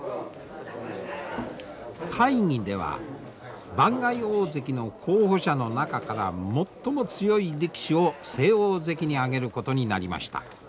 会議では番外大関の候補者の中から最も強い力士を正大関に上げることになりました。